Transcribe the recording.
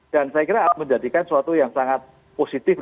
dan saya kira menjadikan sesuatu yang sangat positif